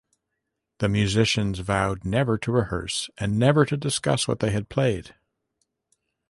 The musicians vowed never to rehearse and never to discuss what they had played.